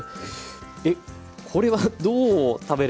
えっこれはどう食べれば。